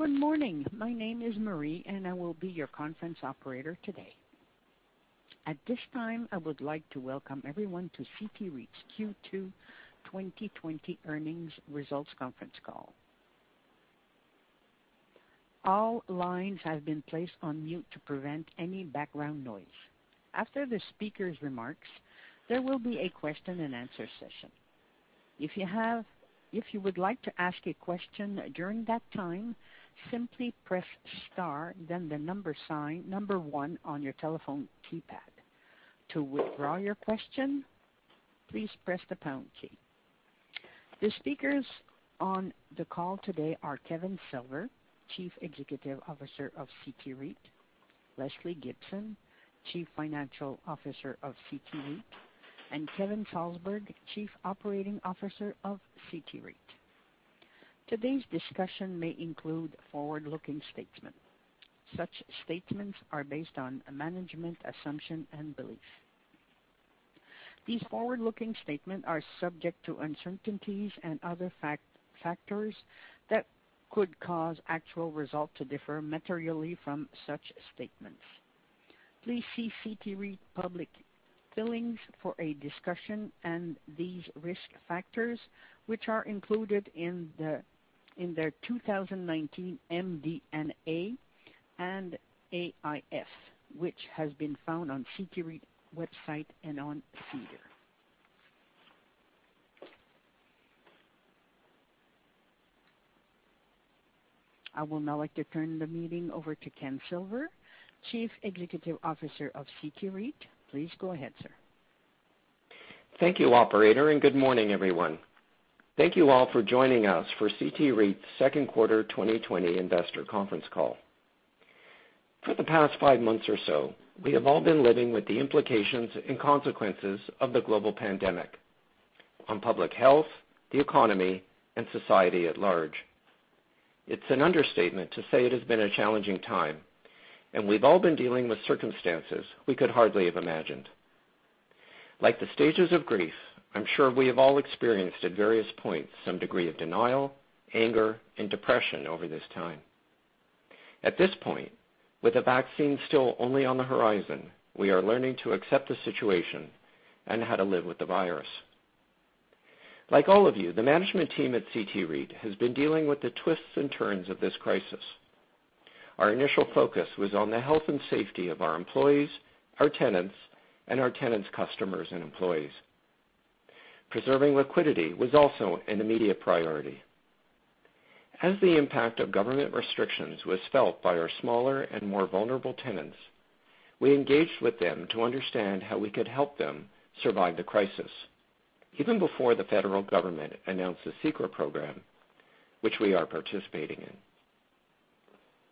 Good morning. My name is Marie. I will be your conference operator today. At this time, I would like to welcome everyone to CT REIT's Q2 2020 earnings results conference call. All lines have been placed on mute to prevent any background noise. After the speaker's remarks, there will be a question and answer session. If you would like to ask a question during that time, simply press star, then the number one on your telephone keypad. To withdraw your question, please press the pound key. The speakers on the call today are Ken Silver, Chief Executive Officer of CT REIT; Lesley Gibson, Chief Financial Officer of CT REIT; and Kevin Salsberg, Chief Operating Officer of CT REIT. Today's discussion may include forward-looking statements. Such statements are based on management assumption and belief. These forward-looking statements are subject to uncertainties and other factors that could cause actual results to differ materially from such statements. Please see CT REIT public filings for a discussion and these risk factors, which are included in their 2019 MD&A and AIF, which has been found on CT REIT website and on SEDAR. I would now like to turn the meeting over to Ken Silver, Chief Executive Officer of CT REIT. Please go ahead, sir. Thank you, operator. Good morning, everyone. Thank you all for joining us for CT REIT's second quarter 2020 investor conference call. For the past five months or so, we have all been living with the implications and consequences of the global pandemic on public health, the economy, and society at large. It's an understatement to say it has been a challenging time, and we've all been dealing with circumstances we could hardly have imagined. Like the stages of grief, I'm sure we have all experienced at various points some degree of denial, anger, and depression over this time. At this point, with a vaccine still only on the horizon, we are learning to accept the situation and how to live with the virus. Like all of you, the management team at CT REIT has been dealing with the twists and turns of this crisis. Our initial focus was on the health and safety of our employees, our tenants, and our tenants' customers and employees. Preserving liquidity was also an immediate priority. As the impact of government restrictions was felt by our smaller and more vulnerable tenants, we engaged with them to understand how we could help them survive the crisis, even before the federal government announced the CECRA program, which we are participating in.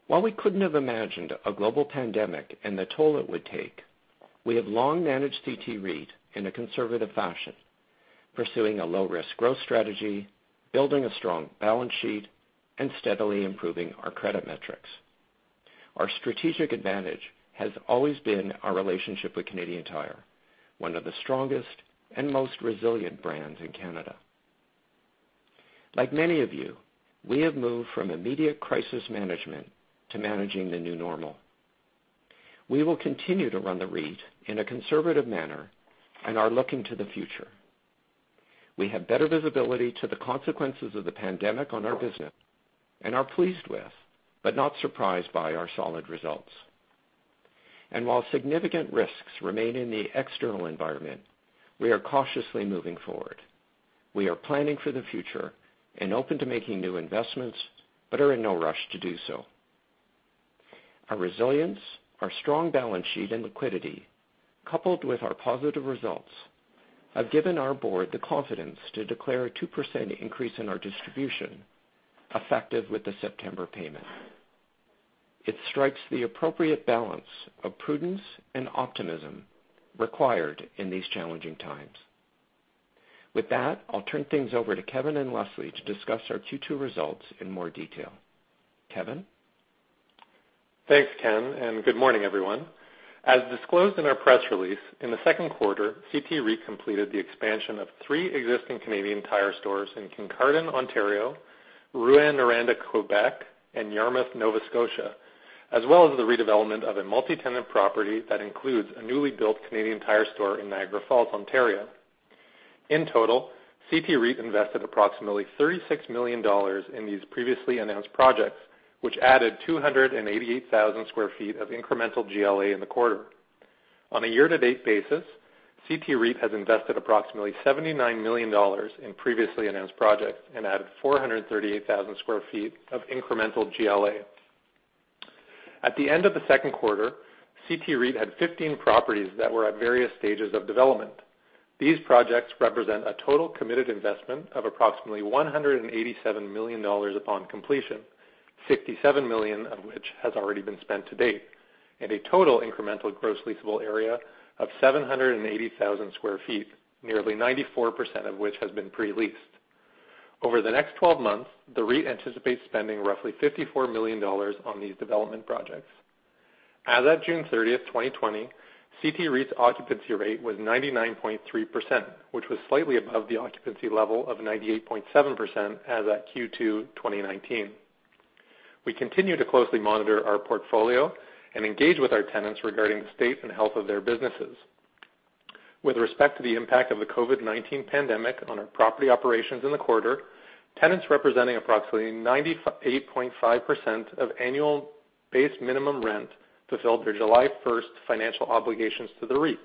While we couldn't have imagined a global pandemic and the toll it would take, we have long managed CT REIT in a conservative fashion, pursuing a low-risk growth strategy, building a strong balance sheet, and steadily improving our credit metrics. Our strategic advantage has always been our relationship with Canadian Tire, one of the strongest and most resilient brands in Canada. Like many of you, we have moved from immediate crisis management to managing the new normal. We will continue to run the REIT in a conservative manner and are looking to the future. We have better visibility to the consequences of the pandemic on our business and are pleased with, but not surprised by our solid results. While significant risks remain in the external environment, we are cautiously moving forward. We are planning for the future and open to making new investments but are in no rush to do so. Our resilience, our strong balance sheet, and liquidity, coupled with our positive results, have given our board the confidence to declare a 2% increase in our distribution effective with the September payment. It strikes the appropriate balance of prudence and optimism required in these challenging times. With that, I'll turn things over to Kevin and Lesley to discuss our Q2 results in more detail. Kevin? Thanks, Ken, and good morning, everyone. As disclosed in our press release, in the second quarter, CT REIT completed the expansion of three existing Canadian Tire stores in Kincardine, Ontario; Rouyn-Noranda, Quebec; and Yarmouth, Nova Scotia, as well as the redevelopment of a multi-tenant property that includes a newly built Canadian Tire store in Niagara Falls, Ontario. In total, CT REIT invested approximately 36 million dollars in these previously announced projects, which added 288,000 sq ft of incremental GLA in the quarter. On a year-to-date basis, CT REIT has invested approximately 79 million dollars in previously announced projects and added 438,000 sq ft of incremental GLA. At the end of the second quarter, CT REIT had 15 properties that were at various stages of development. These projects represent a total committed investment of approximately 187 million dollars upon completion, 57 million of which has already been spent to date, and a total incremental gross leasable area of 780,000 sq ft, nearly 94% of which has been pre-leased. Over the next 12 months, the REIT anticipates spending roughly 54 million dollars on these development projects. As of June 30th, 2020, CT REIT's occupancy rate was 99.3%, which was slightly above the occupancy level of 98.7% as of Q2 2019. We continue to closely monitor our portfolio and engage with our tenants regarding the state and health of their businesses. With respect to the impact of the COVID-19 pandemic on our property operations in the quarter, tenants representing approximately 98.5% of annual base minimum rent fulfilled their July 1st financial obligations to the REIT,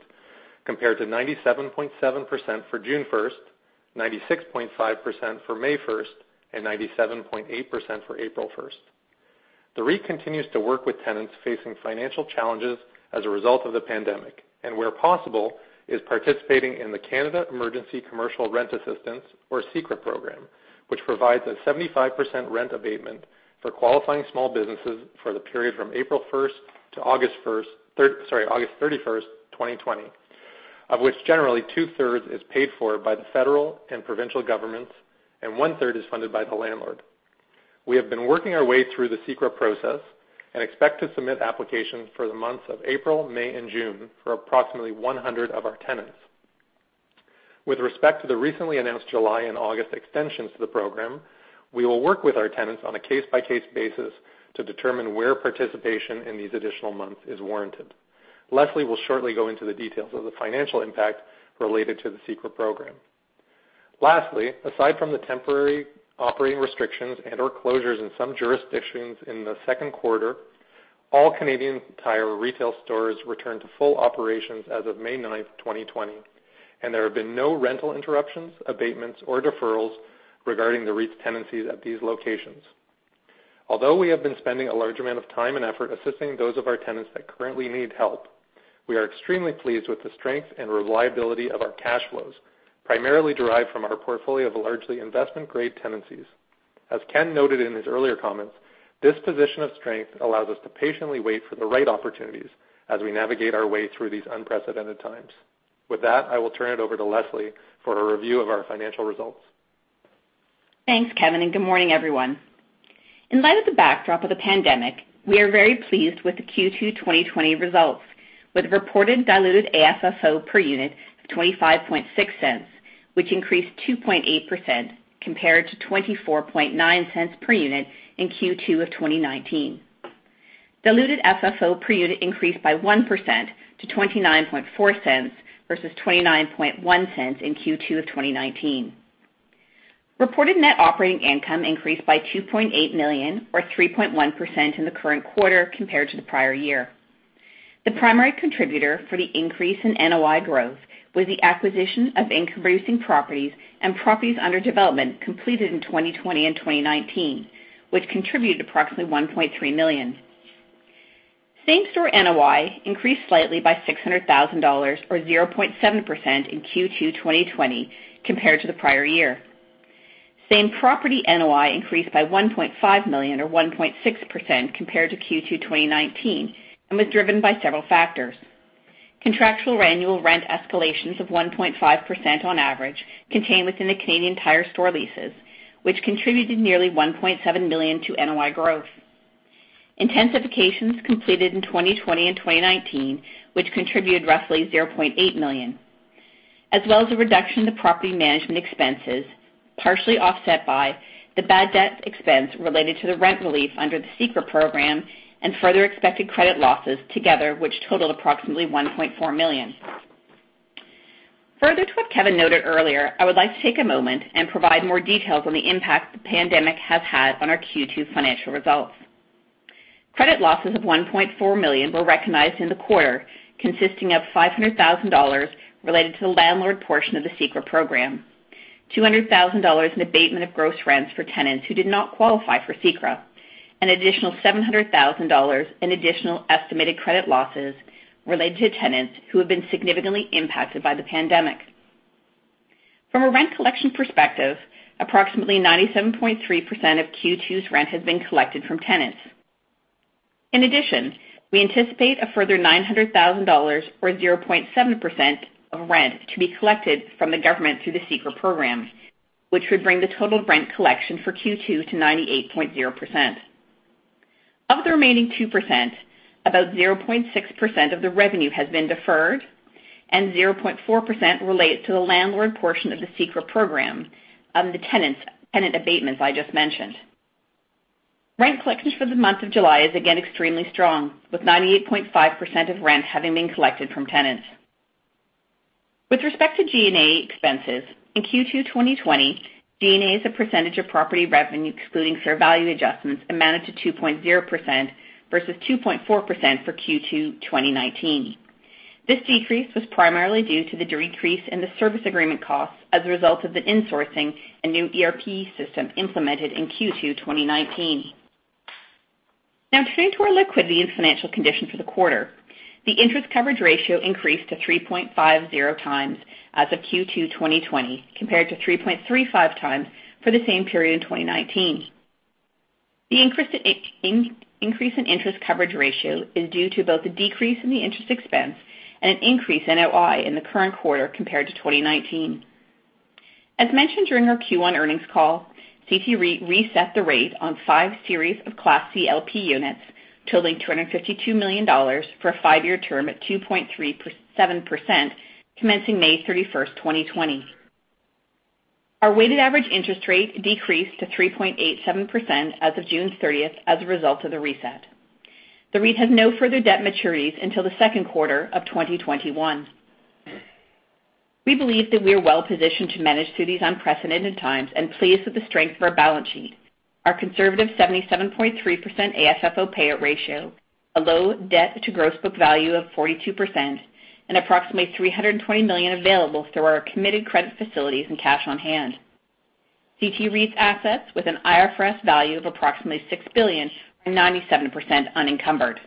compared to 97.7% for June 1st, 96.5% for May 1st, and 97.8% for April 1st. The REIT continues to work with tenants facing financial challenges as a result of the pandemic, and where possible, is participating in the Canada Emergency Commercial Rent Assistance, or CECRA program, which provides a 75% rent abatement for qualifying small businesses for the period from April 1st to August 31st, 2020, of which generally two-thirds is paid for by the federal and provincial governments, and one-third is funded by the landlord. We have been working our way through the CECRA process and expect to submit applications for the months of April, May, and June for approximately 100 of our tenants. With respect to the recently announced July and August extensions to the program, we will work with our tenants on a case-by-case basis to determine where participation in these additional months is warranted. Lesley will shortly go into the details of the financial impact related to the CECRA program. Lastly, aside from the temporary operating restrictions and/or closures in some jurisdictions in the second quarter, all Canadian Tire retail stores returned to full operations as of May 9th, 2020, and there have been no rental interruptions, abatements, or deferrals regarding the REIT's tenancies at these locations. Although we have been spending a large amount of time and effort assisting those of our tenants that currently need help, we are extremely pleased with the strength and reliability of our cash flows, primarily derived from our portfolio of largely investment-grade tenancies. As Ken noted in his earlier comments, this position of strength allows us to patiently wait for the right opportunities as we navigate our way through these unprecedented times. With that, I will turn it over to Lesley for a review of our financial results. Thanks, Kevin. Good morning, everyone. In light of the backdrop of the pandemic, we are very pleased with the Q2 2020 results, with reported diluted AFFO per unit of 0.256, which increased 2.8%, compared to 0.249 per unit in Q2 2019. Diluted FFO per unit increased by 1% to 0.294 versus 0.291 in Q2 2019. Reported Net Operating Income increased by 2.8 million or 3.1% in the current quarter compared to the prior year. The primary contributor for the increase in NOI growth was the acquisition of income-producing properties and properties under development completed in 2020 and 2019, which contributed approximately 1.3 million. Same-store NOI increased slightly by 600,000 dollars, or 0.7%, in Q2 2020 compared to the prior year. Same-property NOI increased by 1.5 million or 1.6% compared to Q2 2019 and was driven by several factors. Contractual annual rent escalations of 1.5% on average contained within the Canadian Tire store leases, which contributed nearly 1.7 million to NOI growth. Intensifications completed in 2020 and 2019, which contributed roughly 0.8 million, as well as the reduction in the property management expenses, partially offset by the bad debt expense related to the rent relief under the CECRA program and further expected credit losses, together which totaled approximately 1.4 million. Further to what Kevin noted earlier, I would like to take a moment and provide more details on the impact the pandemic has had on our Q2 financial results. Credit losses of 1.4 million were recognized in the quarter, consisting of 500,000 dollars related to the landlord portion of the CECRA program, 200,000 dollars in abatement of gross rents for tenants who did not qualify for CECRA, an additional 700,000 dollars in additional estimated credit losses related to tenants who have been significantly impacted by the pandemic. From a rent collection perspective, approximately 97.3% of Q2's rent has been collected from tenants. In addition, we anticipate a further 900,000 dollars, or 0.7%, of rent to be collected from the government through the CECRA program, which would bring the total rent collection for Q2 to 98.0%. Of the remaining 2%, about 0.6% of the revenue has been deferred, and 0.4% relates to the landlord portion of the CECRA program of the tenant abatements I just mentioned. Rent collections for the month of July is again extremely strong, with 98.5% of rent having been collected from tenants. With respect to G&A expenses, in Q2 2020, G&A as a percentage of property revenue, excluding fair value adjustments, amounted to 2.0% versus 2.4% for Q2 2019. This decrease was primarily due to the decrease in the service agreement costs as a result of the insourcing and new ERP system implemented in Q2 2019. Now turning to our liquidity and financial condition for the quarter. The interest coverage ratio increased to 3.50x as of Q2 2020 compared to 3.35x for the same period in 2019. The increase in interest coverage ratio is due to both the decrease in the interest expense and an increase in NOI in the current quarter compared to 2019. As mentioned during our Q1 earnings call, CT REIT reset the rate on five series of Class C LP Units totaling 252 million dollars for a five-year term at 2.37%, commencing May 31st, 2020. Our weighted average interest rate decreased to 3.87% as of June 30th as a result of the reset. The REIT has no further debt maturities until the second quarter of 2021. We believe that we are well-positioned to manage through these unprecedented times and pleased with the strength of our balance sheet, our conservative 77.3% AFFO payout ratio, a low debt to gross book value of 42%, and approximately 320 million available through our committed credit facilities and cash on hand. CT REIT's assets, with an IFRS value of approximately 6 billion, are 97% unencumbered.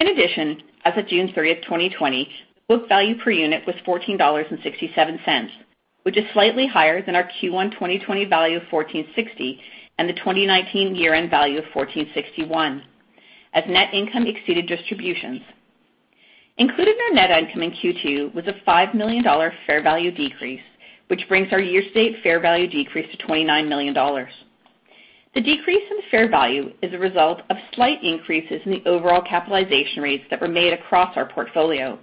In addition, as of June 30th, 2020, book value per unit was 14.67 dollars, which is slightly higher than our Q1 2020 value of 14.60, and the 2019 year-end value of 14.61, as net income exceeded distributions. Included in our net income in Q2 was a 5 million dollar fair value decrease, which brings our year-to-date fair value decrease to 29 million dollars. The decrease in fair value is a result of slight increases in the overall capitalization rates that were made across our portfolio.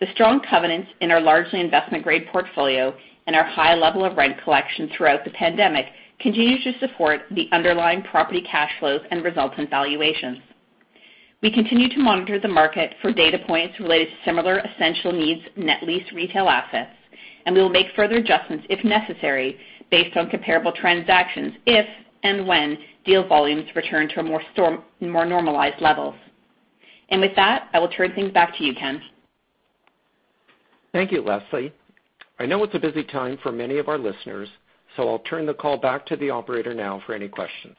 The strong covenants in our largely investment-grade portfolio and our high level of rent collection throughout the pandemic continues to support the underlying property cash flows and results in valuations. We continue to monitor the market for data points related to similar essential needs net lease retail assets, we will make further adjustments if necessary, based on comparable transactions if and when deal volumes return to more normalized levels. With that, I will turn things back to you, Ken. Thank you, Lesley. I know it's a busy time for many of our listeners. I'll turn the call back to the operator now for any questions.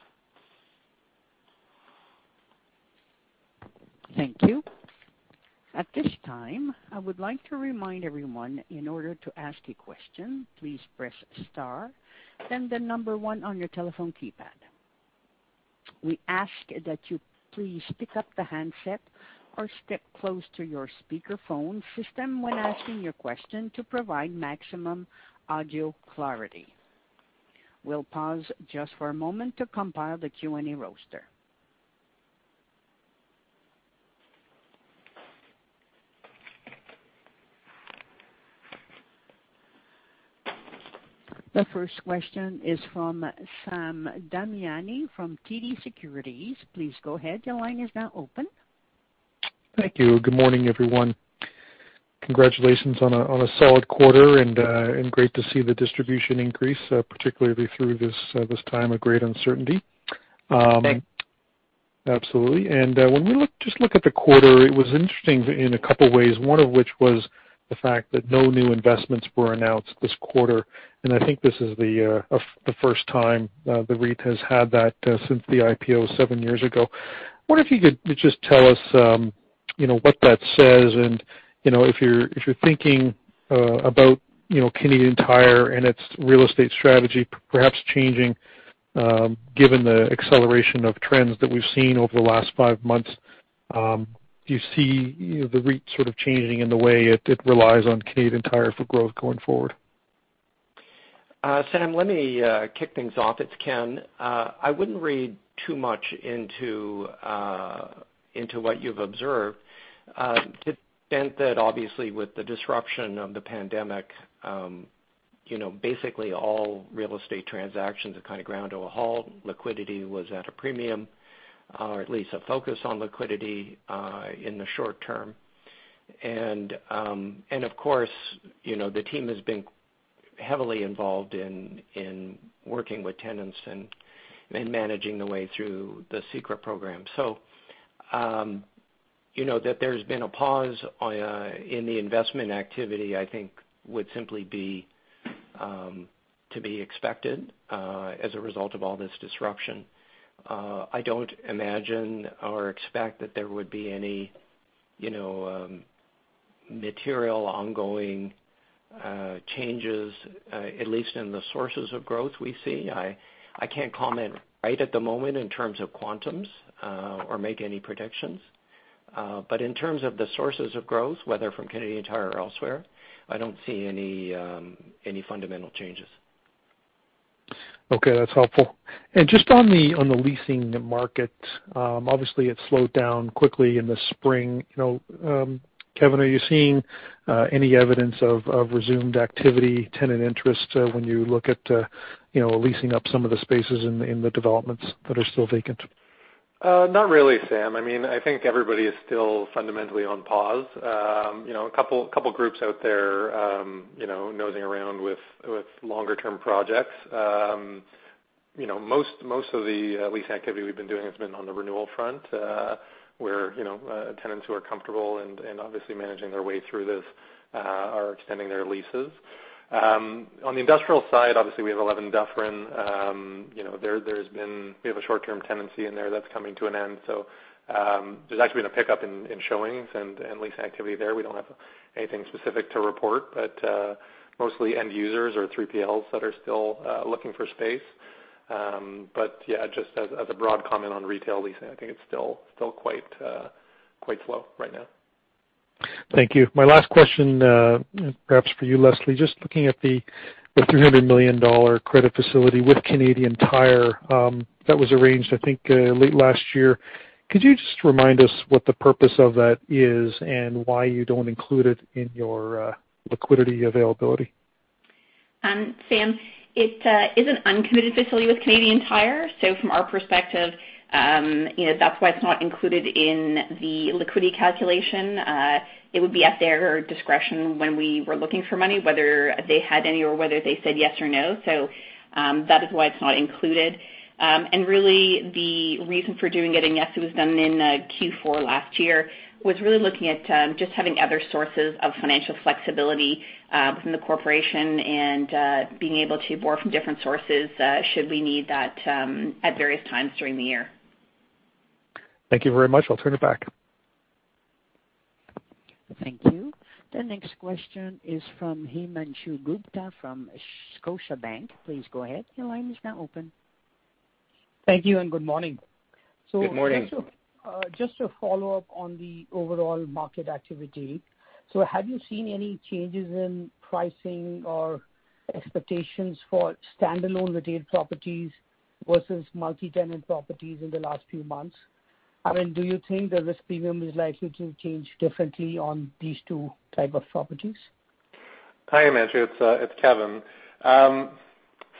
Thank you. At this time, I would like to remind everyone, in order to ask a question, please press star then the number one on your telephone keypad. We ask that you please pick up the handset or step close to your speakerphone system when asking your question to provide maximum audio clarity. We'll pause just for a moment to compile the Q&A roster. The first question is from Sam Damiani from TD Securities. Please go ahead. Your line is now open. Thank you. Good morning, everyone. Congratulations on a solid quarter, and great to see the distribution increase, particularly through this time of great uncertainty. Thanks. Absolutely. When we just look at the quarter, it was interesting in a couple of ways, one of which was the fact that no new investments were announced this quarter, and I think this is the first time the REIT has had that since the IPO seven years ago. Wonder if you could just tell us what that says and, if you're thinking about Canadian Tire and its real estate strategy perhaps changing, given the acceleration of trends that we've seen over the last five months. Do you see the REIT sort of changing in the way it relies on Canadian Tire for growth going forward? Sam, let me kick things off. It's Ken. I wouldn't read too much into what you've observed. To the extent that obviously with the disruption of the pandemic, basically all real estate transactions have kind of ground to a halt. Liquidity was at a premium, or at least a focus on liquidity in the short term. Of course, the team has been heavily involved in working with tenants and managing the way through the CECRA program. That there's been a pause in the investment activity, I think would simply be to be expected as a result of all this disruption. I don't imagine or expect that there would be any material ongoing changes, at least in the sources of growth we see. I can't comment right at the moment in terms of quantums, or make any predictions. In terms of the sources of growth, whether from Canadian Tire or elsewhere, I don't see any fundamental changes. Okay. That's helpful. Just on the leasing market. Obviously, it slowed down quickly in the spring. Kevin, are you seeing any evidence of resumed activity, tenant interest when you look at leasing up some of the spaces in the developments that are still vacant? Not really, Sam. I think everybody is still fundamentally on pause. A couple of groups out there nosing around with longer-term projects. Most of the lease activity we've been doing has been on the renewal front, where tenants who are comfortable and obviously managing their way through this are extending their leases. On the industrial side, obviously, we have 11 Dufferin. We have a short-term tenancy in there that's coming to an end. There's actually been a pickup in showings and lease activity there. We don't have anything specific to report, mostly end users or 3PLs that are still looking for space. Yeah, just as a broad comment on retail leasing, I think it's still quite slow right now. Thank you. My last question, perhaps for you, Lesley, just looking at the 300 million dollar credit facility with Canadian Tire that was arranged, I think, late last year. Could you just remind us what the purpose of that is, and why you don't include it in your liquidity availability? Sam, it is an uncommitted facility with Canadian Tire, from our perspective, that's why it's not included in the liquidity calculation. It would be at their discretion when we were looking for money, whether they had any or whether they said yes or no. That is why it's not included. Really the reason for doing it, and yes, it was done in Q4 last year, was really looking at just having other sources of financial flexibility within the corporation and being able to borrow from different sources should we need that at various times during the year. Thank you very much. I'll turn it back. Thank you. The next question is from Himanshu Gupta from Scotiabank. Please go ahead. Your line is now open. Thank you and good morning. Good morning. Just to follow up on the overall market activity. Have you seen any changes in pricing or expectations for standalone retail properties versus multi-tenant properties in the last few months? Do you think the risk premium is likely to change differently on these two type of properties? Hi, Himanshu. It's Kevin.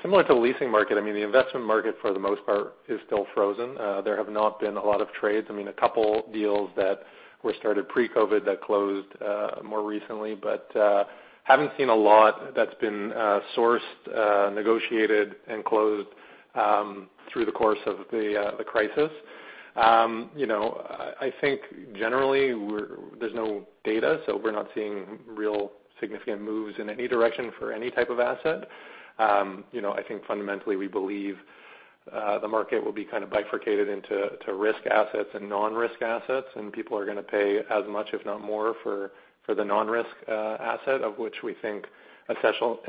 Similar to the leasing market, the investment market for the most part is still frozen. There have not been a lot of trades. A couple deals that were started pre-COVID that closed more recently, haven't seen a lot that's been sourced, negotiated, and closed through the course of the crisis. I think generally there's no data, we're not seeing real significant moves in any direction for any type of asset. I think fundamentally we believe the market will be kind of bifurcated into risk assets and non-risk assets, people are going to pay as much, if not more, for the non-risk asset, of which we think essential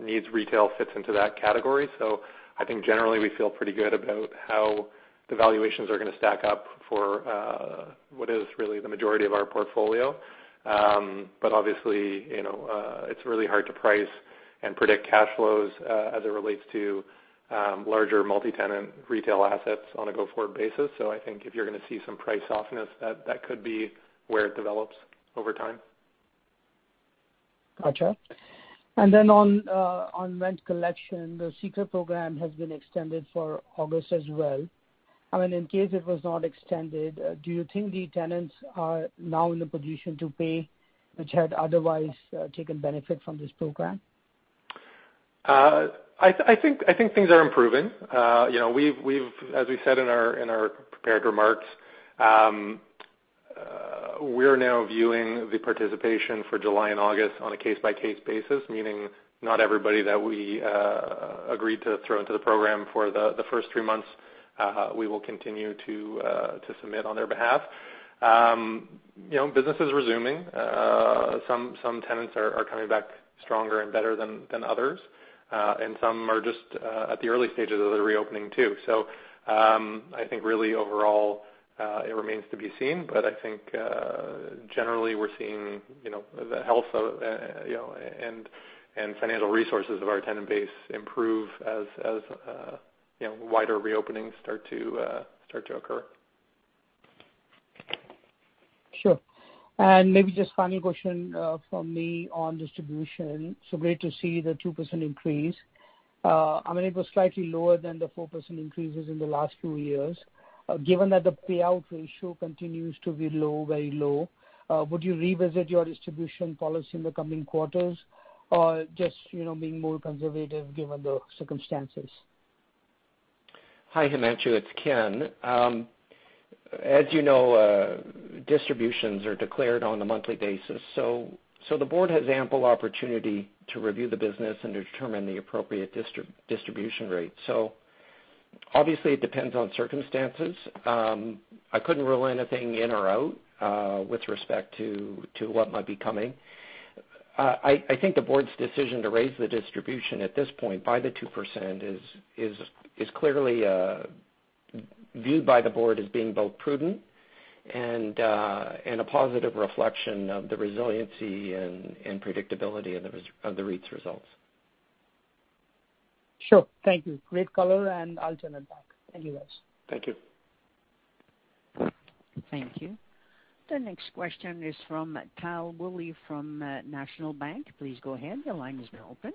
needs retail fits into that category. I think generally we feel pretty good about how the valuations are going to stack up for what is really the majority of our portfolio. Obviously, it's really hard to price and predict cash flows as it relates to larger multi-tenant retail assets on a go-forward basis. I think if you're going to see some price softness, that could be where it develops over time. Got you. On rent collection, the CECRA program has been extended for August as well. In case it was not extended, do you think the tenants are now in the position to pay, which had otherwise taken benefit from this program? I think things are improving. As we said in our prepared remarks, we're now viewing the participation for July and August on a case-by-case basis, meaning not everybody that we agreed to throw into the program for the first three months, we will continue to submit on their behalf. Business is resuming. Some tenants are coming back stronger and better than others. Some are just at the early stages of the reopening too. I think really overall, it remains to be seen, but I think, generally we're seeing the health and financial resources of our tenant base improve as wider reopenings start to occur. Sure. Maybe just final question from me on distribution. Great to see the 2% increase. It was slightly lower than the 4% increases in the last two years. Given that the payout ratio continues to be very low, would you revisit your distribution policy in the coming quarters or just being more conservative given the circumstances? Hi, Himanshu, it's Ken. As you know, distributions are declared on a monthly basis. The board has ample opportunity to review the business and to determine the appropriate distribution rate. Obviously it depends on circumstances. I couldn't rule anything in or out with respect to what might be coming. I think the board's decision to raise the distribution at this point by the 2% is clearly viewed by the board as being both prudent and a positive reflection of the resiliency and predictability of the REIT's results. Sure. Thank you. Great color and I'll turn it back. Thank you, guys. Thank you. Thank you. The next question is from Tal Woolley from National Bank. Please go ahead. Your line is now open.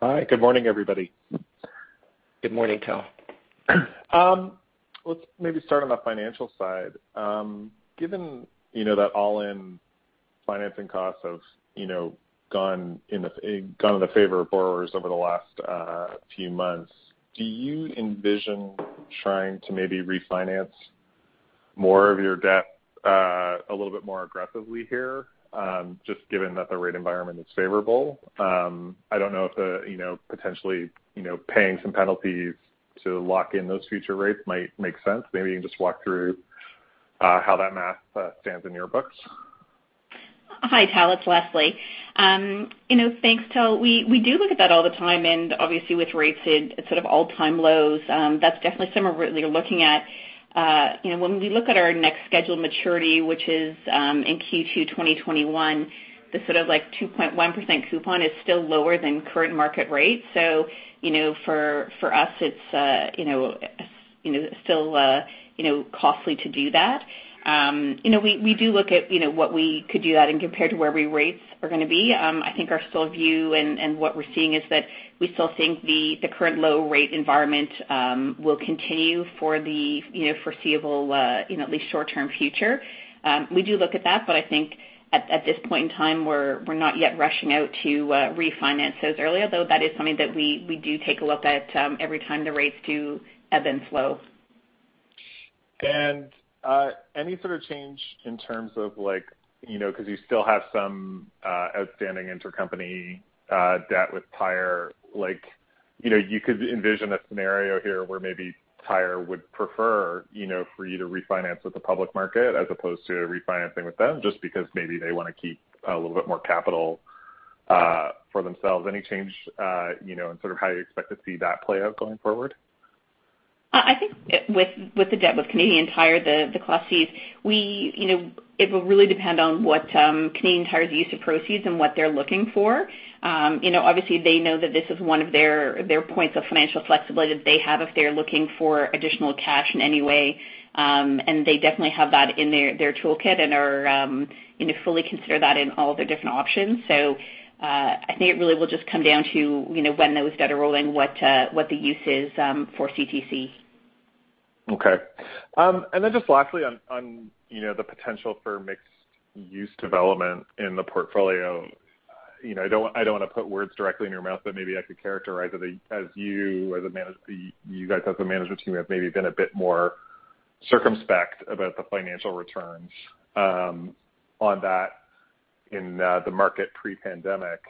Hi. Good morning, everybody. Good morning, Tal. Let's maybe start on the financial side. Given that all-in financing costs have gone in the favor of borrowers over the last few months, do you envision trying to maybe refinance more of your debt a little bit more aggressively here? Just given that the rate environment is favorable. I don't know if potentially paying some penalties to lock in those future rates might make sense. Maybe you can just walk through how that math stands in your books. Hi, Tal. It's Lesley. Thanks, Tal. We do look at that all the time, and obviously with rates at sort of all-time lows, that's definitely somewhere we're looking at. When we look at our next scheduled maturity, which is in Q2 2021, the sort of 2.1% coupon is still lower than current market rates. For us, it's still costly to do that. We do look at what we could do that and compare it to where rates are going to be. I think our still view and what we're seeing is that we still think the current low-rate environment will continue for the foreseeable, at least short-term future. We do look at that, but I think at this point in time, we're not yet rushing out to refinance those early, although that is something that we do take a look at every time the rates do ebb and flow. Any sort of change in terms of, because you still have some outstanding intercompany debt with Tire. You could envision a scenario here where maybe Tire would prefer for you to refinance with the public market as opposed to refinancing with them, just because maybe they want to keep a little bit more capital for themselves. Any change in sort of how you expect to see that play out going forward? I think with the debt with Canadian Tire, the Class Cs, it will really depend on what Canadian Tire's use of proceeds and what they're looking for. Obviously, they know that this is one of their points of financial flexibility that they have if they're looking for additional cash in any way. They definitely have that in their toolkit and fully consider that in all their different options. I think it really will just come down to when those debt are rolling, what the use is for CTC. Okay. Just lastly, on the potential for mixed-use development in the portfolio. I don't want to put words directly in your mouth, but maybe I could characterize it as you guys as a management team have maybe been a bit more circumspect about the financial returns on that in the market pre-pandemic.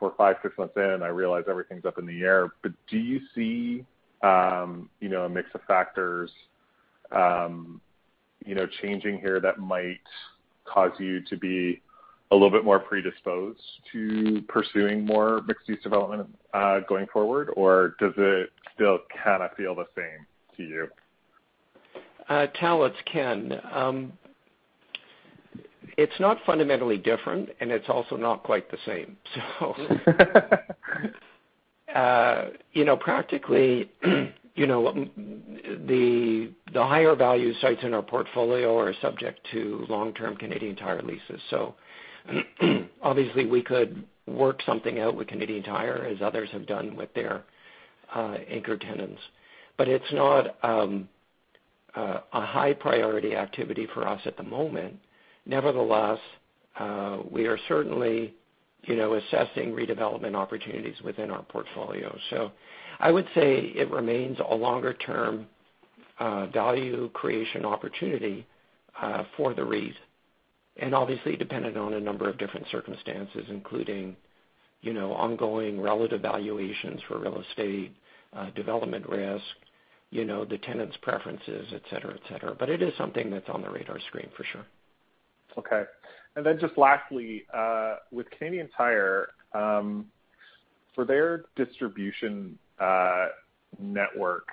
We're five, six months in, I realize everything's up in the air, but do you see a mix of factors changing here that might cause you to be a little bit more predisposed to pursuing more mixed-use development going forward? Or does it still kind of feel the same to you? Tal, it's Ken. It's not fundamentally different, and it's also not quite the same. Practically, the higher value sites in our portfolio are subject to long-term Canadian Tire leases. Obviously, we could work something out with Canadian Tire, as others have done with their anchor tenants. It's not a high-priority activity for us at the moment. We are certainly assessing redevelopment opportunities within our portfolio. I would say it remains a longer-term value creation opportunity for the REIT, and obviously dependent on a number of different circumstances, including ongoing relative valuations for real estate, development risk, the tenants' preferences, et cetera. It is something that's on the radar screen, for sure. Okay. Just lastly, with Canadian Tire, for their distribution network,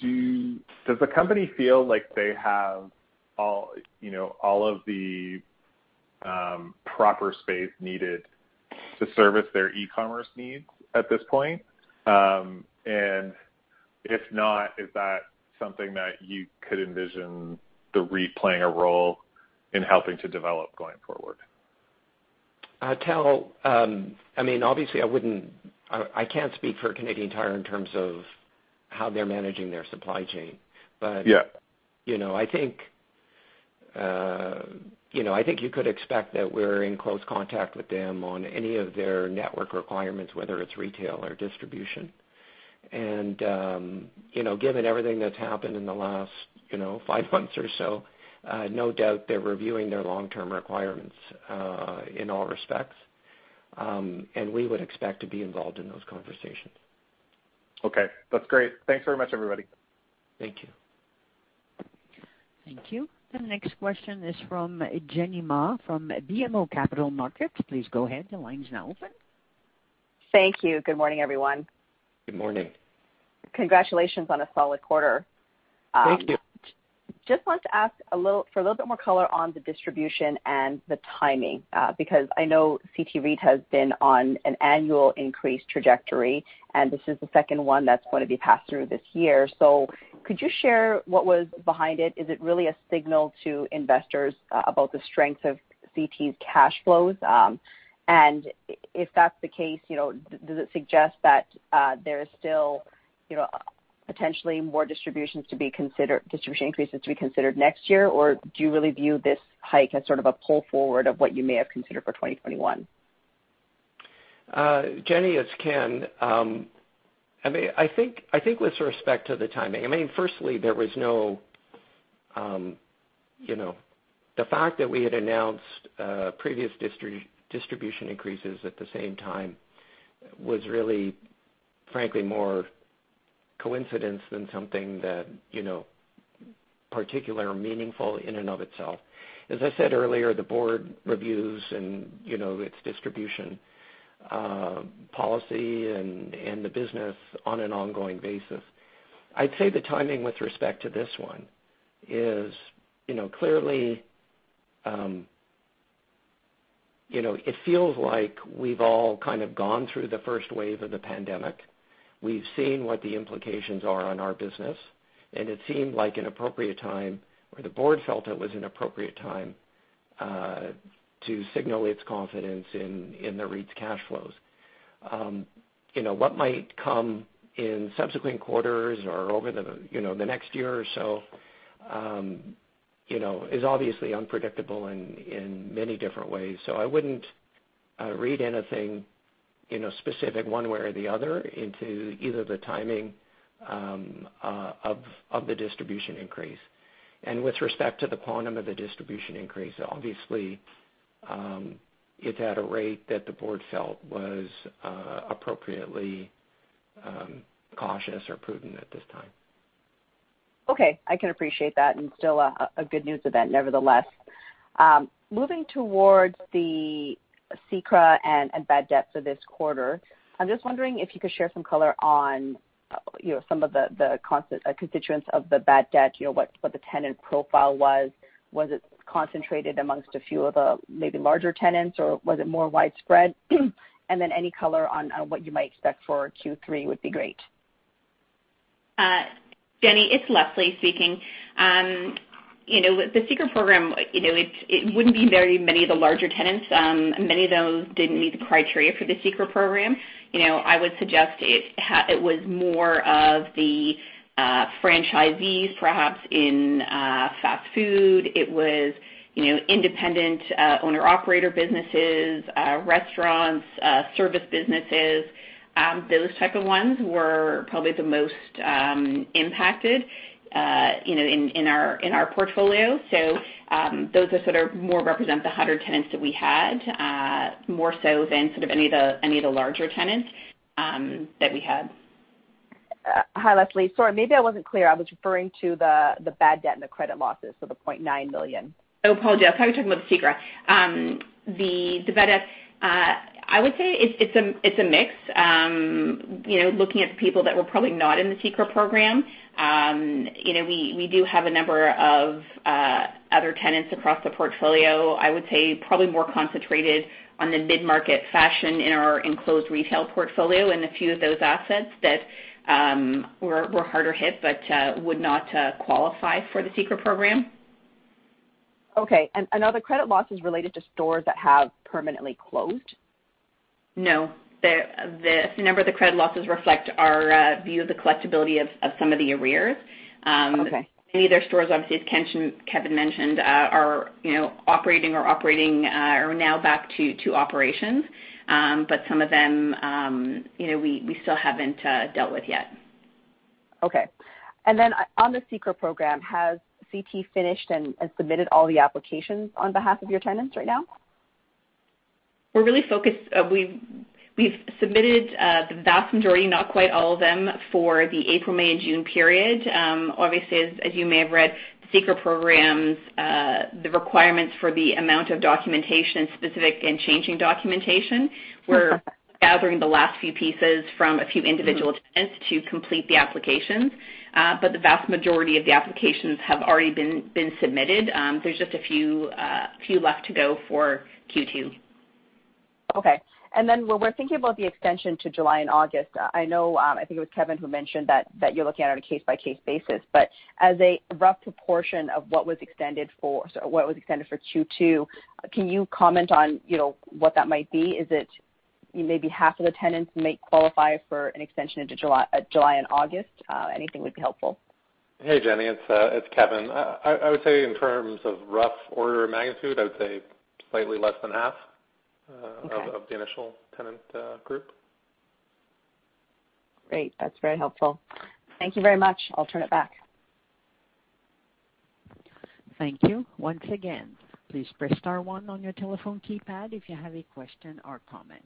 does the company feel like they have all of the proper space needed to service their e-commerce needs at this point? If not, is that something that you could envision the REIT playing a role in helping to develop going forward? Tal, obviously, I can't speak for Canadian Tire in terms of how they're managing their supply chain. Yeah I think you could expect that we're in close contact with them on any of their network requirements, whether it's retail or distribution. Given everything that's happened in the last five months or so, no doubt they're reviewing their long-term requirements in all respects. We would expect to be involved in those conversations. Okay, that's great. Thanks very much, everybody. Thank you. Thank you. The next question is from Jenny Ma from BMO Capital Markets. Please go ahead. The line's now open. Thank you. Good morning, everyone. Good morning. Congratulations on a solid quarter. Thank you. Just wanted to ask for a little bit more color on the distribution and the timing, because I know CT REIT has been on an annual increase trajectory, and this is the second one that's going to be passed through this year. Could you share what was behind it? Is it really a signal to investors about the strength of CT's cash flows? If that's the case, does it suggest that there is still potentially more distribution increases to be considered next year, or do you really view this hike as sort of a pull forward of what you may have considered for 2021? Jenny, it's Ken. I think with respect to the timing, firstly, there was no. The fact that we had announced previous distribution increases at the same time was really, frankly more coincidence than something that particular or meaningful in and of itself. As I said earlier, the board reviews its distribution policy and the business on an ongoing basis. I'd say the timing with respect to this one is, clearly it feels like we've all kind of gone through the first wave of the pandemic. We've seen what the implications are on our business, and it seemed like an appropriate time, or the board felt it was an appropriate time, to signal its confidence in the REIT's cash flows. What might come in subsequent quarters or over the next year or so is obviously unpredictable in many different ways. I wouldn't read anything specific one way or the other into either the timing of the distribution increase. With respect to the quantum of the distribution increase, obviously, it's at a rate that the Board felt was appropriately cautious or prudent at this time. Okay. I can appreciate that, still a good news event nevertheless. Moving towards the CECRA and bad debts for this quarter, I'm just wondering if you could share some color on some of the constituents of the bad debt, what the tenant profile was. Was it concentrated amongst a few of the maybe larger tenants, or was it more widespread? Then any color on what you might expect for Q3 would be great. Jenny, it's Lesley speaking. The CECRA program, it wouldn't be very many of the larger tenants. Many of those didn't meet the criteria for the CECRA program. I would suggest it was more of the franchisees, perhaps in fast food. It was independent owner/operator businesses, restaurants, service businesses. Those type of ones were probably the most impacted in our portfolio. Those more represent the 100 tenants that we had, more so than any of the larger tenants that we had. Hi, Lesley. Sorry, maybe I wasn't clear. I was referring to the bad debt and the credit losses, the 0.9 million. Oh, apologize. I thought you were talking about the CECRA. The bad debt, I would say it's a mix. Looking at the people that were probably not in the CECRA program, we do have a number of other tenants across the portfolio, I would say probably more concentrated on the mid-market fashion in our enclosed retail portfolio and a few of those assets that were harder hit but would not qualify for the CECRA program. Okay. Are the credit losses related to stores that have permanently closed? No. The number of the credit losses reflect our view of the collectibility of some of the arrears. Okay. Many of their stores, obviously, as Kevin mentioned, are operating or are now back to operations. Some of them we still haven't dealt with yet. Okay. On the CECRA program, has CT finished and submitted all the applications on behalf of your tenants right now? We're really focused. We've submitted the vast majority, not quite all of them, for the April, May and June period. As you may have read, the CECRA programs, the requirements for the amount of documentation, specific and changing documentation. We're gathering the last few pieces from a few individual tenants to complete the applications. The vast majority of the applications have already been submitted. There's just a few left to go for Q2. Okay. When we're thinking about the extension to July and August, I know, I think it was Kevin who mentioned that you're looking at it on a case-by-case basis, but as a rough proportion of what was extended for Q2, can you comment on what that might be? Is it maybe half of the tenants may qualify for an extension into July and August? Anything would be helpful. Hey, Jenny, it's Kevin. I would say in terms of rough order of magnitude, I would say slightly less than half. Okay of the initial tenant group. Great. That's very helpful. Thank you very much. I'll turn it back. Thank you. Once again, please press star one on your telephone keypad if you have a question or comment.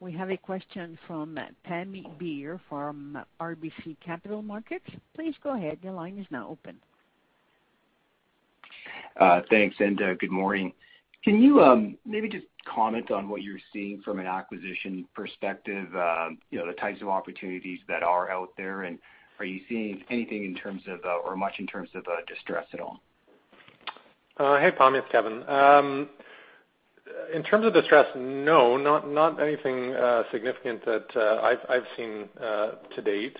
We have a question from Pammi Bir from RBC Capital Markets. Please go ahead. Your line is now open. Thanks, and good morning. Can you maybe just comment on what you're seeing from an acquisition perspective, the types of opportunities that are out there, and are you seeing anything in terms of, or much in terms of distress at all? Hey, Pammi, it's Kevin. In terms of distress, no, not anything significant that I've seen to date.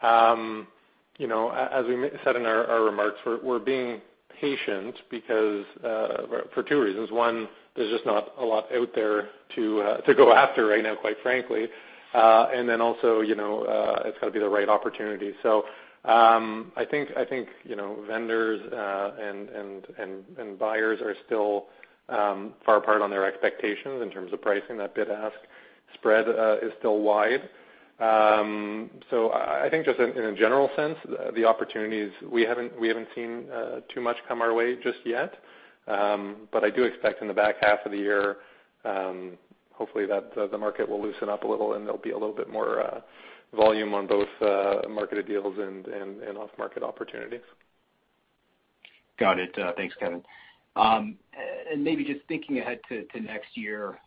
As we said in our remarks, we're being patient for two reasons. One, there's just not a lot out there to go after right now, quite frankly. Also, it's got to be the right opportunity. I think vendors and buyers are still far apart on their expectations in terms of pricing. That bid-ask spread is still wide. I think just in a general sense, the opportunities, we haven't seen too much come our way just yet. I do expect in the back half of the year, hopefully the market will loosen up a little, and there'll be a little bit more volume on both marketed deals and off-market opportunities. Got it. Thanks, Kevin. Maybe just thinking ahead to next year,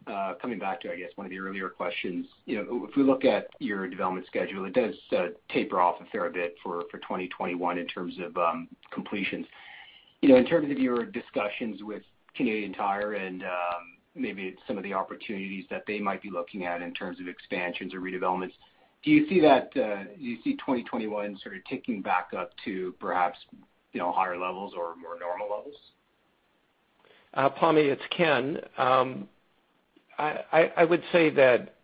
coming back to, I guess, one of the earlier questions. If we look at your development schedule, it does taper off a fair bit for 2021 in terms of completions. In terms of your discussions with Canadian Tire and maybe some of the opportunities that they might be looking at in terms of expansions or redevelopments, do you see 2021 sort of ticking back up to perhaps higher levels or more normal levels? Pammi, it's Ken. I would say that,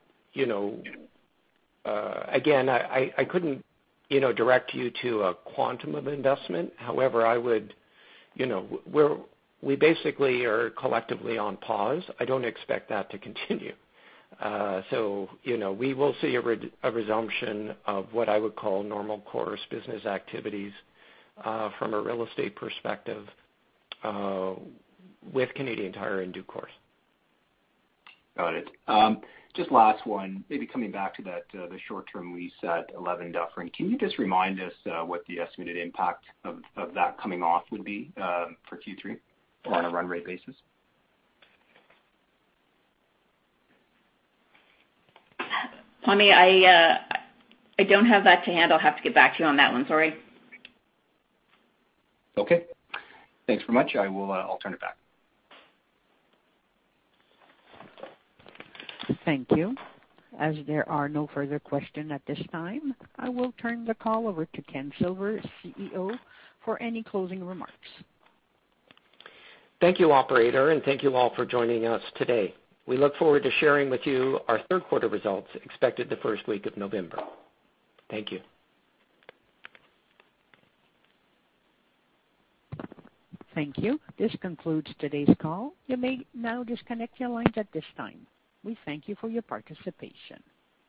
again, I couldn't direct you to a quantum of investment. However, we basically are collectively on pause. I don't expect that to continue. We will see a resumption of what I would call normal course business activities from a real estate perspective with Canadian Tire in due course. Got it. Just last one, maybe coming back to the short-term lease at 11 Dufferin. Can you just remind us what the estimated impact of that coming off would be for Q3 on a run rate basis? Pammi, I don't have that to hand. I'll have to get back to you on that one, sorry. Okay. Thanks very much. I'll turn it back. Thank you. As there are no further questions at this time, I will turn the call over to Ken Silver, CEO, for any closing remarks. Thank you, operator, and thank you all for joining us today. We look forward to sharing with you our third quarter results expected the first week of November. Thank you. Thank you. This concludes today's call. You may now disconnect your lines at this time. We thank you for your participation.